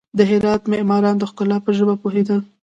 د هرات معماران د ښکلا په ژبه پوهېدل.